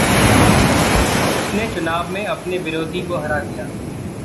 उसने चुनाव में अपने विरोधी को हरा दिया।